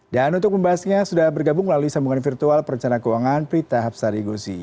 dan untuk pembahasannya sudah bergabung melalui sambungan virtual perencana keuangan prita habsari gosi